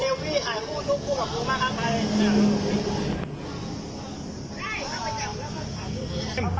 สวัสดีครับคุณแฟม